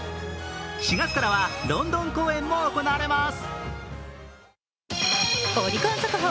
４月からはロンドン公演も行われます。